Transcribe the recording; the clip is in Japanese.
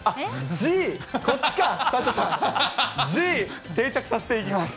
Ｇ、定着させていきます。